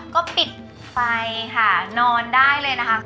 ก็ปิดไฟค่ะนอนได้เลยนะคะ